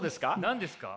何ですか？